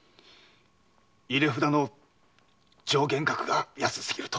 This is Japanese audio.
入れ札の上限額が安すぎると。